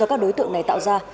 do các đối tượng này tạo ra